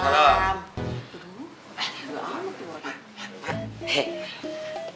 aduh enggak alam tuh mak